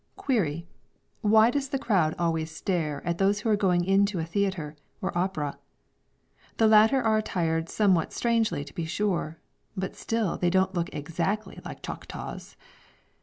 Query? Why does the crowd always stare at those who are going into a theatre or opera? The latter are attired somewhat strangely to be sure, but still they don't look exactly like Choctaws.